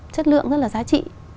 chất lượng rất là giá trị